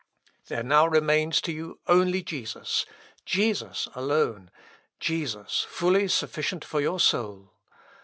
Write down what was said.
"There now remains to you only Jesus; Jesus alone; Jesus fully sufficient for your soul.